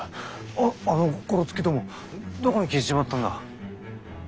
ああのゴロツキどもどこに消えちまったんだ？